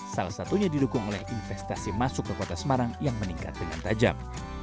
salah satunya didukung oleh investasi masuk ke kota semarang yang meningkat dengan tajam